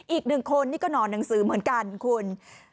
อีกหนึ่งคนนี่ก็นอนหนังสือเหมือนกันคุณ